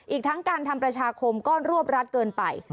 อีกทั้งการทำประชาคมก็รวบรัดเกินไป